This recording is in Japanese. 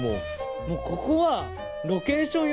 もうここはロケーションよ